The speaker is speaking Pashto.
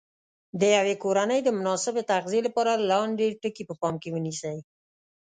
د یوې کورنۍ د مناسبې تغذیې لپاره لاندې ټکي په پام کې ونیسئ.